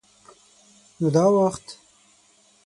_نو دا وخت؟